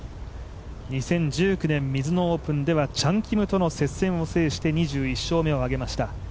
２０１９年ミズノオープンではチャン・キムとの接戦を制して２１勝目を挙げました。